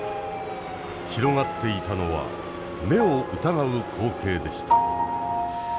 広がっていたのは目を疑う光景でした。